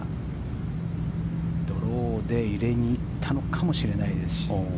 ドローで入れに行ったのかもしれないですし。